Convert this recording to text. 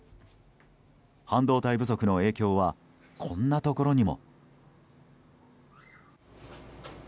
半導体不足の影響はこんなところにも。